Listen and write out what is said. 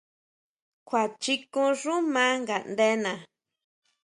Kjua chikon xú maa ngaʼndena.